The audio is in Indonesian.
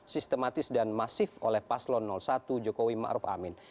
sistematis dan masif oleh paslon satu jokowi ma'ruf amin